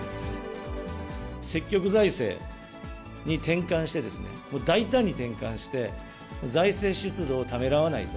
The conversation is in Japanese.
積極財政に転換してですね、大胆に転換して、財政出動をためらわないと。